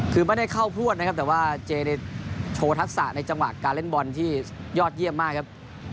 คือไม่ได้เข้าพลวดนะครับแต่ว่าเจเนี่ยโชว์ทักษะในจังหวะการเล่นบอลที่ยอดเยี่ยมมากครับ